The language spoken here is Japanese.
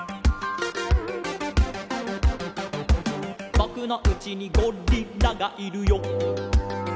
「ぼくのうちにゴリラがいるよ」